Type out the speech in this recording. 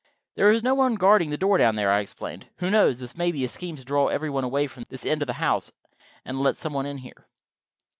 "There is no one guarding the door down there," I explained. "Who knows?—this may be a scheme to draw everybody away from this end of the house, and let some one in here."